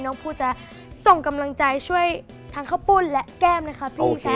น้องพูดจะส่งกำลังใจช่วยทางข้าวปุ่นและแก้มนะครับพี่แซค